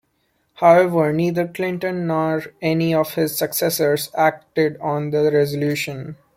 However neither Clinton nor any of his successors acted on the resolution.